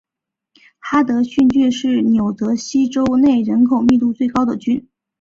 哈德逊郡是纽泽西州内人口密度最高的郡。